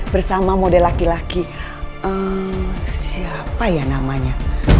bersama model laki laki siapa ya namanya